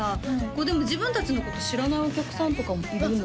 でも自分達のこと知らないお客さんとかもいるの？